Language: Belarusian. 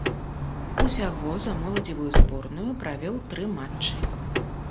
Усяго за моладзевую зборную правёў тры матчы.